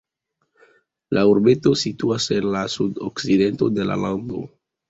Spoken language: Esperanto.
La urbeto situas en la sudokcidento de la lando.